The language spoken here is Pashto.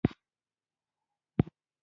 له اوسني ژوند له اړتیاوو څخه یې واټن جوت و.